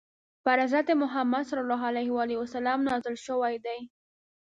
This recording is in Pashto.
پر حضرت محمد ﷺ نازل شوی دی.